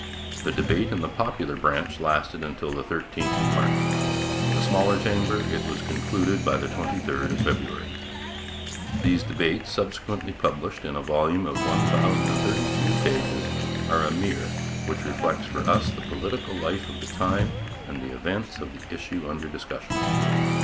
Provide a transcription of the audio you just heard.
The debate in the popular branch lasted until the 13th of March; in the smaller chamber it was concluded by the 23rd of February. These debates, subsequently published in a volume of 1032 pages, are a mirror which reflects for us the political life of the time and the events of the issue under discussion.